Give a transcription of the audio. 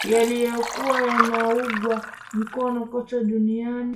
yaliyokuwa yanaungwa mkono kote duniani